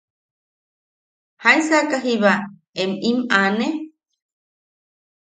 –¿Jaisaka jiiba em inen aane?